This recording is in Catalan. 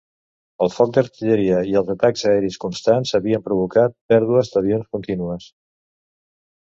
El foc d'artilleria i els atacs aeris constants havien provocat pèrdues d'avions continues.